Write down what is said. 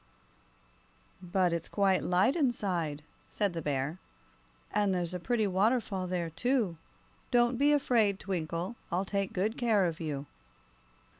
"But it's quite light inside," said the bear, "and there's a pretty waterfall there, too. Don't be afraid, Twinkle; I'll take good care of you."